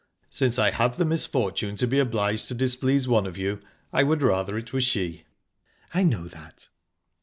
"Since I have the misfortune to be obliged to displease one of you, I would rather it were she." "I know that."